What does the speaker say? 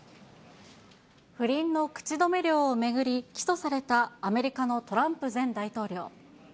不倫の口止め料を巡り、起訴されたアメリカのトランプ前大統領。